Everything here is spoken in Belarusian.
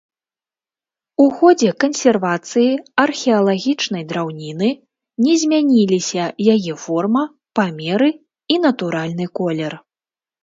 У ходзе кансервацыі археалагічнай драўніны не змяніліся яе форма, памеры і натуральны колер.